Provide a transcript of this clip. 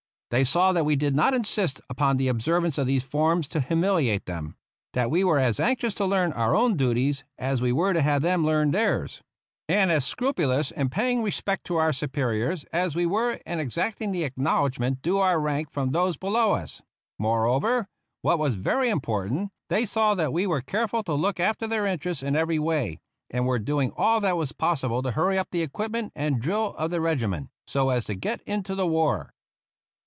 They saw that we did not in sist upon the observance of these forms to humili ate them; that we were as anxious to learn 31 THE ROUGH RIDERS our own duties as we were to have them learn theirs, and as scrupulous in paying respect to our superiors as we were in exacting the acknowl edgment due our rank from those below us; moreover, what was very important, they saw that we were careful to look after their interests in every way, and were doing all that was possible to hurry up the equipment and drill of the regi ment, so as to get into the war.